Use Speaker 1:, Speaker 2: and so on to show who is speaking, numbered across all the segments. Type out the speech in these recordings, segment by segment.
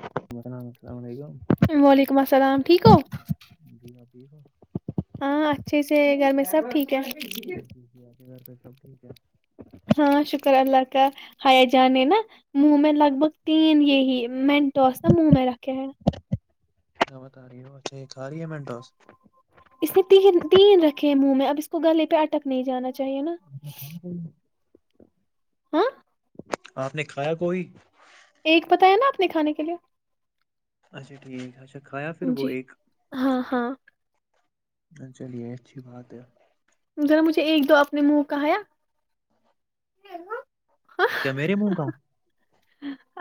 Speaker 1: السلام علیکم
Speaker 2: وعلیکم السلام ٹھیک ہو
Speaker 1: جی جب ٹھیک ہو
Speaker 2: ہاں اچھے سے گھر میں سب ٹھیک ہے
Speaker 1: جی کے گھر پہ سب ٹھیک ہے
Speaker 2: ہاں شکر اللہ کا حیا جان نے نا منہ میں لگ بھگ تین یہی منٹوںس نا منہ میں رکھے ہیں نا
Speaker 1: آواز آ رہی اچھا یہ کا رہی ہے مینٹاس
Speaker 2: اس نے تین تین رکھے ہیں منہ میں اب اس کو گلے پہ اٹک نہیں جانا چاہیے نا
Speaker 1: [unintelligible]
Speaker 2: ہاں
Speaker 1: آپ نے کھایا کوئی
Speaker 2: ایک بتایا نا آپ نے کھانے کے لیے
Speaker 1: اچھا ٹھیک ہے اچھا کھایا پھر
Speaker 2: لیے
Speaker 1: وہ
Speaker 2: جی
Speaker 1: ایک
Speaker 2: ہاں ہاں
Speaker 1: چلیے اچھی بات ہے
Speaker 2: ذرا مجھے ایک دو اپنے منہ کاایا
Speaker 1: کیا میرے منہ کا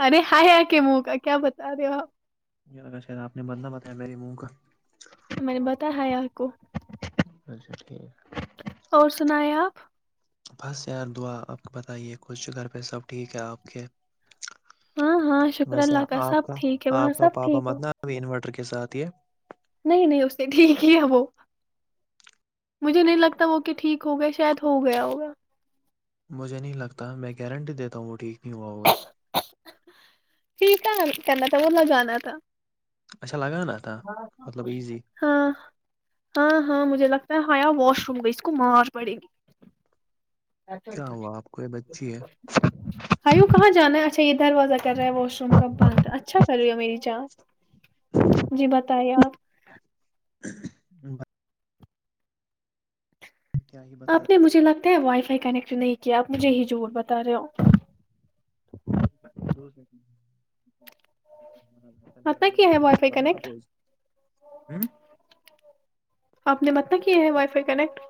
Speaker 2: ارے ہائےیا کے منہ کا کیا بتا رہے ہو آپ
Speaker 1: ج شہید آپ نے بندہ بتایا میرے منہ کا
Speaker 2: میں نے بتا ہےا ہے آپ کو
Speaker 1: اچھا ٹھیک
Speaker 2: اور سنا ہے آپ
Speaker 1: بس یار دعا آپ کو بتائیے کچھ گھر پہ سب ٹھیک ہے آپ کے
Speaker 2: ہاں ہاں شکر
Speaker 1: ویسے
Speaker 2: اللہ
Speaker 1: آپ
Speaker 2: سب
Speaker 1: کا
Speaker 2: ٹھیک ہے وہاں
Speaker 1: آپ کا
Speaker 2: سب
Speaker 1: پاپا
Speaker 2: ٹھیک ہو
Speaker 1: متن ابھی انورٹر کے ساتھ یہ
Speaker 2: نہیں نہیں اس سے ٹھیک ہی ہے وہ مجھے نہیں لگتا وہ کہ ٹھیک ہو گئے شاید ہو گیا ہوگا
Speaker 1: مجھے نہیں لگتا میں گارنٹی دیتا ہوں وہ ٹھیک نہیں ہوا ہوگا
Speaker 2: پیٹ کرنا تھا وہ لگانا تھا
Speaker 1: اچھا لگانا تھا مطلب ایزی
Speaker 2: [unintelligible] ہاں ہاں ہاں مجھے لگتا ہے ہایا واش روم گئی اس کو مار پڑے گی
Speaker 1: کیا ہوا آپ کو یہ بچی ہے
Speaker 2: ہوں کہاں جانا ہے اچھا یہ دروازہ کر رہا ہے واش روم کا بند اچھا کر رہی ہے میری چانچ جی بتائیے آپ
Speaker 1: [inaudible] کیا ہی
Speaker 2: آپ نے
Speaker 1: بتائیے
Speaker 2: مجھے لگتا ہے وائی فائی کنیکٹ نہیں کیا آپ مجھے ہی جوور بتا رہے ہو
Speaker 1: [inaudible]
Speaker 2: مت نہ کیا ہے وائی فائی کنیکٹ
Speaker 1: [unintelligible]
Speaker 2: آپ نے مت نہ کیا ہے وائی فائی کنیکٹ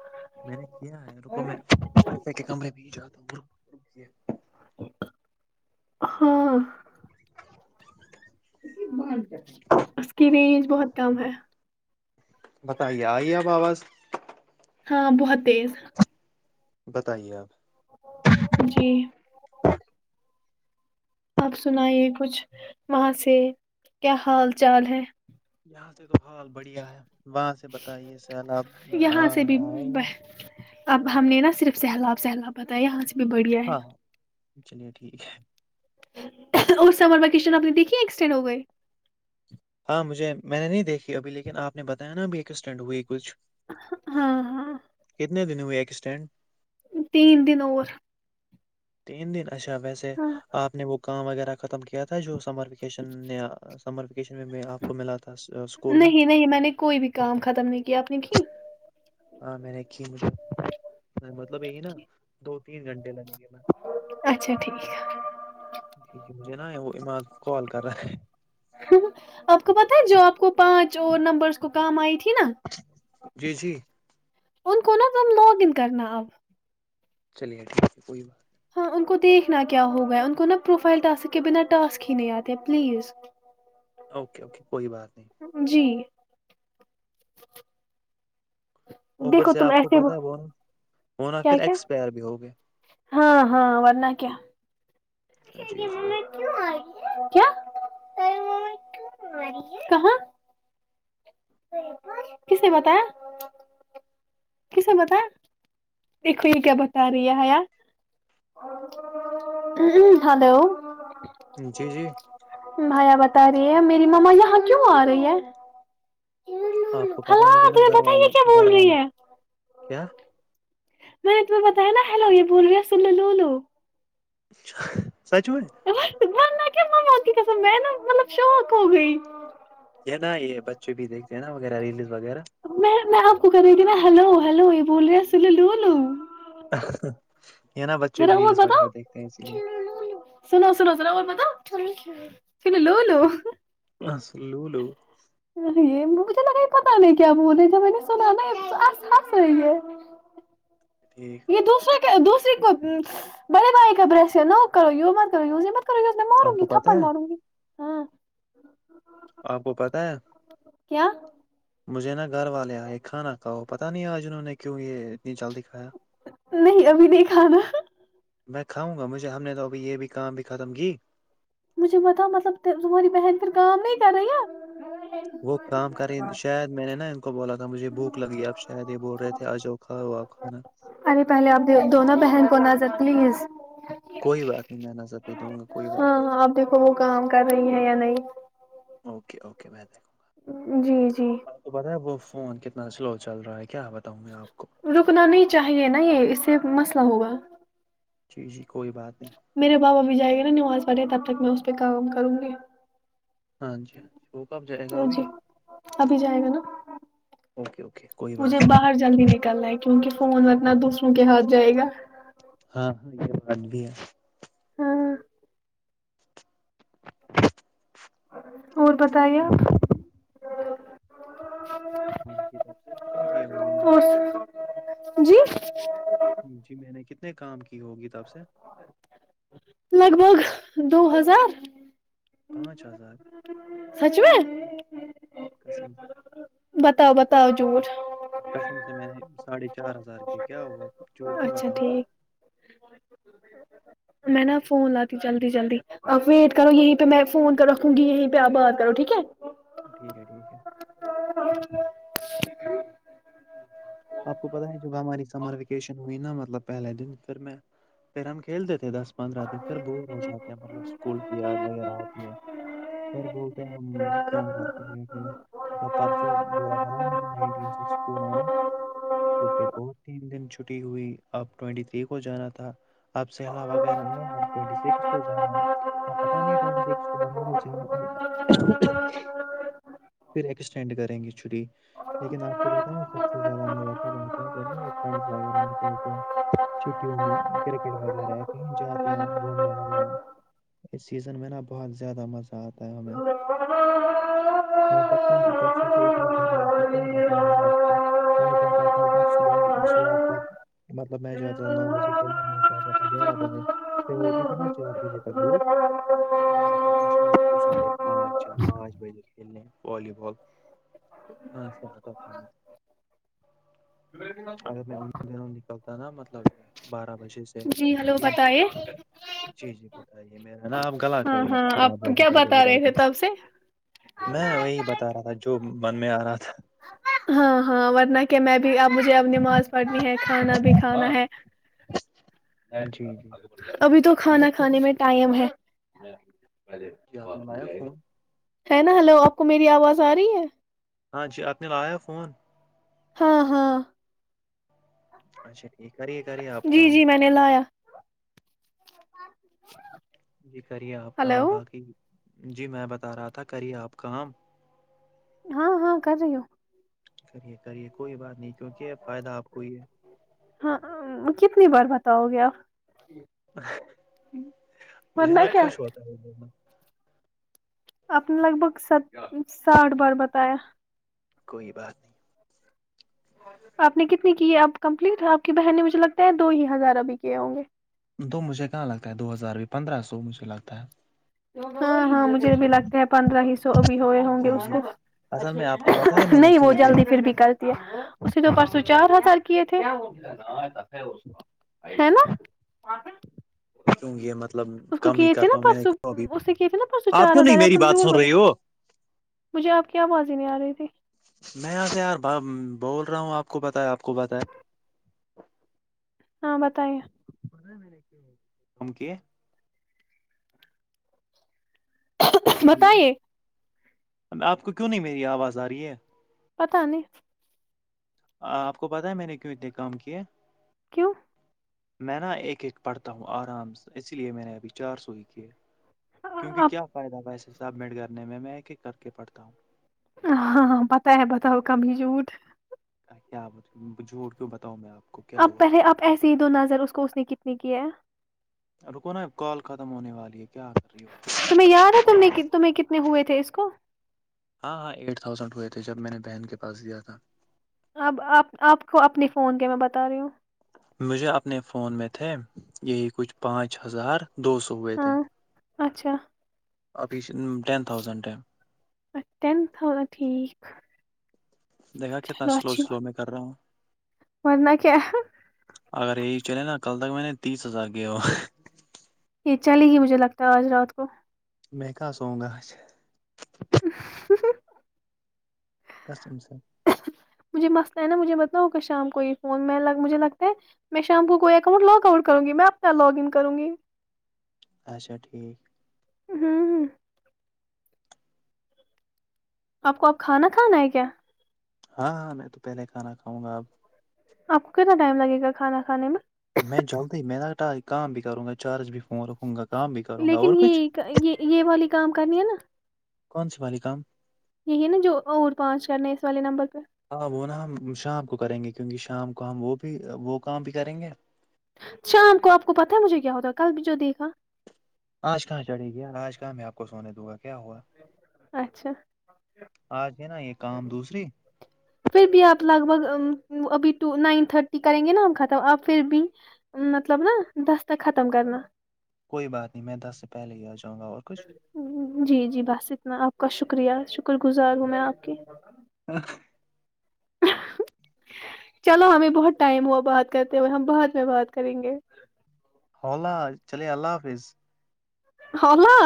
Speaker 1: میں نے کیا ہے ر کو میں فائی فائی کے کمرے بھی جاتا
Speaker 2: [inaudible] اس کی رینج بہت کم ہے
Speaker 1: بتائیے آئی آب آواز
Speaker 2: ہاں بہت تیز
Speaker 1: بتائیے آپ
Speaker 2: جی آپ سنائیے کچھ وہاں سے کیا حال چال ہے
Speaker 1: یہاں سے تو حال بڑھیا ہے وہاں سے بتائیے سیل آپ
Speaker 2: یہاں سے بھی
Speaker 1: آئے ہوئے
Speaker 2: اب ہم نے نا صرف سہلاب سہلاب بتایا یہاں سے بھی بڑھیا ہے
Speaker 1: ہاں چلیے ٹھیک ہے
Speaker 2: اس سمر وکیشن اپنی دیکھی ایککسٹینڈ ہو گئے
Speaker 1: ہاں مجھے میں نے نہیں دیکھی ابھی لیکن آپ نے بتایا نا ابھی ایکسٹنڈ ہوئی کچھ
Speaker 2: ہاں ہاں
Speaker 1: کتنے دنوں ہوئے ایکسٹینڈ
Speaker 2: تین دن اور
Speaker 1: تین دن اچھا ویسے
Speaker 2: ہاں
Speaker 1: آپ نے وہ کام وغیرہ ختم کیا تھا تھا جو سمر ویکیشن سمر ویکیشن میں آپ کو ملا تھا اسکول میں
Speaker 2: نہیں نہیں میں نے کوئی بھی کام ختم نہیں کیا آپ نے کی
Speaker 1: ہاں میں نے رکھی مجھے مطلب یہی نا دو تین گھنٹے لگے گے
Speaker 2: اچھا ٹھیک ہے
Speaker 1: جی جی مجھے نا وہ امان کال کر رہے
Speaker 2: آپ کو پتا ہے جو آپ کو پانچ اور نمبرس کو کام آئی تھی نا
Speaker 1: جی جی
Speaker 2: انون کو نا ہم لاگ ان کرنا آب
Speaker 1: چلے گ ھ ہے کوئی بات نہیں
Speaker 2: ہاں ان کو دیکھنا کیا ہوگا ہے ان کو نا پروفائل ٹسک کے بنا ٹاسک ہی نہیں آتے پلیز
Speaker 1: اوکے اوکے کوئی بات نہیں
Speaker 2: جی
Speaker 1: اوبر
Speaker 2: دیکھو
Speaker 1: سے
Speaker 2: تم
Speaker 1: آپ کو
Speaker 2: ایسے
Speaker 1: پتہ ہے
Speaker 2: کیا
Speaker 1: بنا بنا پھر
Speaker 2: کیا
Speaker 1: ایکسپائر بھی ہو گیا
Speaker 2: ہاں ہاں ورنہ کیا
Speaker 1: جی جی
Speaker 2: کیا کہاں کس نے بتا کسب پتا دیکھو یہ کیا بتا رہی ہےیا ہلو
Speaker 1: جی جی
Speaker 2: بھیا بتا رہی ہے میری ما یہاں کیوں آ رہی ہے
Speaker 1: آپ کو پتاہ ہے
Speaker 2: ہلا
Speaker 1: مجھے نا
Speaker 2: تمہیں
Speaker 1: گھر
Speaker 2: پتا ہے یہ
Speaker 1: والے
Speaker 2: کیا
Speaker 1: گھر
Speaker 2: بول رہی
Speaker 1: والے
Speaker 2: ہے
Speaker 1: کیا
Speaker 2: میں نے تمہ بیا نا ہیلو یہ بول گیا سن لو
Speaker 1: سچول
Speaker 2: میں نا مطلب شوق ہو گئی
Speaker 1: یہ نا یہ بچے بھی دیکھتے ہیں نا وغیرہ ریلز وغیرہ
Speaker 2: میں میں آپ کو کہہ رہی تھی ن ہلو ہیلو یہ بول رہی لوولو
Speaker 1: [unintelligible] نا بچے
Speaker 2: میرا
Speaker 1: بھی
Speaker 2: ہو
Speaker 1: ریلس
Speaker 2: پتا
Speaker 1: وغیرہ دیکھتے ہیں اسی لیے
Speaker 2: سناو سناو سلاول ب چل لو لو
Speaker 1: ہ س لو لو
Speaker 2: یہ مجھے لگا پتا نہیں کیا بول رہے ج میں نے سنا ناس ہنس رہی ہے
Speaker 1: ھ [unintelligible]
Speaker 2: دور دوسری کو بڑے بھائی کا برش ہے نہ کرو ی مت کرو ی مت کر اس نے ماروں
Speaker 1: آپ
Speaker 2: گی
Speaker 1: کو پتہ
Speaker 2: تھپن
Speaker 1: ہے
Speaker 2: لاؤوں گ ہاں
Speaker 1: آپ کو پتہ ہے
Speaker 2: کیا
Speaker 1: مجھے نا گھر والے آئے کھانا کھاؤ پتا نہیں آج انہوں نے کیوں یہ اتنی جلدی کھایا
Speaker 2: نہیں ابھی نہیں کھانا
Speaker 1: میں کاؤں گا مجھے ہم نے تو ابھی یہ بھی کام بھی ختم کی
Speaker 2: مجھے بتا مطلب تمہاری بہن پھر کام نہیں کر رہی ہے
Speaker 1: وہ کام کریں شاید میں نے نا کو بولا تھا مجے بھک لگی آپ شاید یہ بول رہے تھے آجو کا ہوا کھا
Speaker 2: ارے پہلے آپ دونوں بہن کو نظر پلیز
Speaker 1: کوئی بات نہیں میں نظر بھی دوں گا کوئی بات نہیں
Speaker 2: ہاں آپ دیکھو وہ کام کر رہی ہیں یا نہیں
Speaker 1: اوکے اوکے میں دیکھوں گا
Speaker 2: جی جی
Speaker 1: تو پت ہے وہ فون کتنا سلو چل رہا ہے کیا بتاؤں میں آپ کو
Speaker 2: رکنا نہیں چاہیے نا یہ اس سے مسئلہ ہوگا
Speaker 1: جی جی کوئی بات نہیں
Speaker 2: میرے باپ اب بھی جائے گے نا نواز پڑھے تب تک میں اس پہ کام کروں گی
Speaker 1: ہاں جی ہاں وہ کب جو
Speaker 2: جی ابھی جائے گا نا
Speaker 1: اوکے اوکے کوئی
Speaker 2: مجھے
Speaker 1: بات
Speaker 2: باہر جلدی نکلنا ہے کیونکہ فون انا دوسروں کے ہاتھ جائے گا
Speaker 1: ہاں ہاں یہ بات بھی ہے
Speaker 2: ہوں
Speaker 1: [inaudible]
Speaker 2: اور بتائیے آپ
Speaker 1: ہاں کتاب سے کتنی کیا ہوگی میں نے
Speaker 2: اور جی
Speaker 1: جی میں نے کتنے کام کی ہوگی تپ سے
Speaker 2: لگ بھگ دو ہزار
Speaker 1: پانچ ہزار
Speaker 2: سچ میں
Speaker 1: قسم
Speaker 2: بتاؤ بتاؤ جور
Speaker 1: سم سے میں ساڑھے چار ہزار کیا کیا ہوا جھوٹ کیوں
Speaker 2: اچھا
Speaker 1: بتاؤں
Speaker 2: ٹھیک میں نا فون لا ت جلدی جلدی آپ ویٹ کرو یہیں پہ میں فون کر رکھوں گی یہیں پہ آپ بات کرو ٹھیک ہے
Speaker 1: ٹھیک ہے ٹھیک ہے
Speaker 2: ہاں
Speaker 1: آپ کو پتاہ ہے جب ہماری سمر ویکیشن ہوئی نا مطلب پہلے دن پھر میں پھر ہم کھیلتے تھے دس پندرہ دن پھر بور ہو جاتے ہیں مطلب اسکول کی یاد وغیرہ آتی ہے سر بولتے ہیں ہم کیوں کر بیٹھے جب پرسوں گولا کرا نٹین سے اسکول آناا تو پھر اور تین دن چھٹی ہوئی اب ٹوینٹی تھری کو جانا تھا آپ سہلا وغیرہ ہے آپ ٹ سس کو جانا ہے ہ پتا نہیںٹ س تو ب پھر ایکسٹینڈ کریں گے چھٹی لیکن آپ کو پتہ ہےا سب سے زیادہ مزہ آ ہو ف وغیرہ کھیلتے ہیں چھٹیوں میں کرکٹ وغیرہ ہے کہیں جاتے ہیں گھومنے وغیرہ
Speaker 2: ہے
Speaker 1: اس سیزن میں نا بہت زیادہ مزہ آتا ہے ہمیں
Speaker 2: ج
Speaker 1: اوبر سے بسوں سے اتنی گھر میں تھی کیا بتاؤں میں آپ کو میں صبح صبح تک مطلب میں جو آتا تھا نو بجے کھیلنے وہاں سے آتا تھا گیارہ بجے پھر ہوتی تھی نا چار بجے تک لو پھر میں جاتا تھا شام کو ساڑھے پانچ پانچ بجے کھیلنے والی بال ہاں سے ہ تو ک [unintelligible] اگر میں ان دنوں نکلتا نا مطلب یہ بارہ بجے سے
Speaker 2: ہلو
Speaker 1: تین بجے
Speaker 2: بتائیے
Speaker 1: بعد جی جی بتائیے میرا ہے نا آپ گلا
Speaker 2: ہاں ہاں
Speaker 1: خراب
Speaker 2: آپ
Speaker 1: ہو
Speaker 2: کیا
Speaker 1: بتاے
Speaker 2: بتا رہے
Speaker 1: بتاے
Speaker 2: تھے تب سے
Speaker 1: میں وہی بتا رہا تھا جو من میں آ رہا تھا
Speaker 2: ہاں ہاں ورنہ کیا میں بھی اب مجھے اب نماز پڑھنی ہے کھانا بھی کھانا ہے
Speaker 1: جی جی
Speaker 2: ابھی تو
Speaker 1: آیا
Speaker 2: کھانا
Speaker 1: فون
Speaker 2: کھانے میں ٹائم ہے
Speaker 1: جی آپ نے
Speaker 2: باتھ روم
Speaker 1: لایا
Speaker 2: جائے گا
Speaker 1: فون
Speaker 2: ہے نا ہلو آپ کو میری آواز آ رہی ہے
Speaker 1: ہاں جی آپ نے لایا فون
Speaker 2: ہاں ہاں
Speaker 1: اچھا ایک کری [inaudible]
Speaker 2: جی جی میں نے لایا
Speaker 1: جی کریے آپ کام
Speaker 2: ہلو
Speaker 1: باقی جی میں بتا رہا تھا کریے آپ کام
Speaker 2: ہاں ہاں کر رہی ہو
Speaker 1: کرے کرے کوئی بات نہیں کیونکہ ہے فائدہ آپ کو ہی ہے
Speaker 2: ہاں کتنی بار بتاؤ گے آپ
Speaker 1: مجھے
Speaker 2: ورنہ
Speaker 1: ن
Speaker 2: کیا
Speaker 1: خوش ہوتا ہے [unintelligible]
Speaker 2: آپ نے لگ بھگ س ساٹھ بار بتایا
Speaker 1: کوئی بات نہیں
Speaker 2: آپ نے کتنی کی ہے آپ کمپلیٹ آپ کی بہن نے مجھے لگتا ہے دو ہی ہزار ابھی کیے ہوں گے
Speaker 1: دو مجھے کہاں لگتا ہے دو ہزار بھی پندرہ سو مجھے لگتا ہے
Speaker 2: ہاں ہاں مجھے اب لگتا ہے پندرہ ہ سو ابھی ہوئے ہوں گے
Speaker 1: جی
Speaker 2: اس
Speaker 1: جی
Speaker 2: کو
Speaker 1: اصل
Speaker 2: اچ
Speaker 1: میں آپ کو
Speaker 2: اچا
Speaker 1: پتا ہے میں نے
Speaker 2: نہیں وہ
Speaker 1: کیوں اتنے
Speaker 2: جلدی پھر بھی کل [unintelligible] اس نے تو پرسوں چار ہزار کیے تھے ہے نا
Speaker 1: کیوں یہ مطلب
Speaker 2: اس کو
Speaker 1: کم ہی
Speaker 2: کی تھے نا
Speaker 1: کرتا ہوں میں نے
Speaker 2: پرسو
Speaker 1: کیوں ابھی
Speaker 2: اس سے کی تے نا پرسوں
Speaker 1: آپ
Speaker 2: چار
Speaker 1: کیوں نہیں
Speaker 2: ہزار یاار
Speaker 1: میری
Speaker 2: تم
Speaker 1: بات
Speaker 2: جور
Speaker 1: سن
Speaker 2: بتا
Speaker 1: رہی ہو
Speaker 2: مجھے آپ کی آواز ہی نہیں آ رہی تھی
Speaker 1: میں یہاں سے یار ب بول رہا ہوں آپ کو پتا ہے آپ کو بتایا [unintelligible]
Speaker 2: ہاں بتائیے
Speaker 1: ہم کے ہلو
Speaker 2: بتائیے
Speaker 1: آپ کو کیوں نہیں میری آواز آ رہی ہے
Speaker 2: پتا نہیں
Speaker 1: آپ کو پتا ہے میں نے کیوں اتنے کام کیے
Speaker 2: کیوں [unintelligible]
Speaker 1: میں نا ایک ایک پڑھتا ہوں آرام سے اسی لیے میں نے ابھی چار سو ہی کیے کیونکہ
Speaker 2: آپ
Speaker 1: کیا فائدہ پیسے سبمٹ کرنے میں میں ایک ایک کر کے پڑھتا ہوں
Speaker 2: ہاں ہاں پتا ہے بتاؤ کبھی جھوٹ
Speaker 1: کیا جھوٹ کیوں بتاؤں میں آپ کو کیا
Speaker 2: اب
Speaker 1: ہوا
Speaker 2: پہلے آپ ایسیے ہی دو نظر اس کو اس نے کتنی کی ہے
Speaker 1: رکو نا کال ختم ہونے والی ہے کیا کر رہی ہو آپ
Speaker 2: تمہیں یاد ہے ت تمہیں کتنے ہوئے تھے اس کو [unintelligible]
Speaker 1: ہاں ہاں ایٹ تھاؤزینڈ ہوئے تھے جب میں نے بہن کے پاس دیا تھا
Speaker 2: اب آپ آپ کو اپنے فون کے میں بتا رہی ہوں
Speaker 1: مجھے اپنے فون میں تھے یہی کچھ پانچ ہزار دو سو ہوئے تھے
Speaker 2: ہاں اچھا
Speaker 1: ابھی ٹین تھاؤزنڈٹائ [unintelligible]
Speaker 2: اچھا ٹن تھازنڈ ٹھیک
Speaker 1: دیکھا کتنا سلو سلو میں کر رہا ہوں
Speaker 2: ورن کیا
Speaker 1: اگر ای چلے نا کل تک میں نے تیس ہزار کیا ہو
Speaker 2: یہ چلے گ مجھے لگتا ہے آج رات کو
Speaker 1: میں کہاں سونگا آج قسم سے
Speaker 2: مجھے مست ہے نا مجھے بتلا ہوگ شام کو یہ فون میں مجھے لگتا ہے میں شیمپو کو اکاؤنٹ لاگ آؤٹ کروں گی میں اپنا لاگ ان کروں گی
Speaker 1: اچھا ٹھیک
Speaker 2: ہوں آپ کو آب کھانا کھانا ہے کیا
Speaker 1: ہاں ہاں میں تو پہلے کھانا کاوں گا اپ
Speaker 2: آپ کو کتنا ٹائم لگے گا کھانا کھانے میں
Speaker 1: میں جلدی میں رٹ کام بھی کروں گا چارج بھی فون رکھوں گا کام بھی کروں گا
Speaker 2: لیکن
Speaker 1: اور کچھ
Speaker 2: یہ یہ یہ والی کام کرنی ہے نا
Speaker 1: کون سی والی کام
Speaker 2: یہی نا جو اور پانچ کرنے ہیں اس والے نمبر پہ
Speaker 1: ہاں وہ نا ہم شام کو کریں گے کیونکہ شام کو ہم وہ بھی وہ کام بھی کریں گے
Speaker 2: شام کو آپ کو پتاہ ہے مجھے کیا ہوتا ہے کل بھی جو دیکھا
Speaker 1: آج کہاں چڑھے گی آج کہاں میں آپ کو سونے دوں گا کیا ہوا
Speaker 2: اچھا
Speaker 1: آج ہے نا یہ کام دوسری
Speaker 2: پھر بھی آپ لگ بھگ ابھی ٹو نائن تھرٹی کریں گے نا ہم ختم آپ پھر بھی مطلب نا دستخ ختم کرنا
Speaker 1: کوئی بات نہیں میں دس سے پہلے ہی آ جاں گا اور کچھ
Speaker 2: جی جی بس اتنا آپ کا شکریہ شکر گزار ہوں میں آپ کی چلو ہمیں بہت ٹائم ہوا بات کرتے ہوئے ہم بعد میں بات کریں گے
Speaker 1: ہوولہ چلیے اللہ حافظ
Speaker 2: اللہ